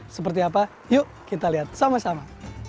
seperti apa yuk kita lihat sama sama